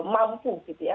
mampu gitu ya